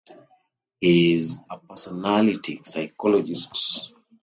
He is a personality psychologist.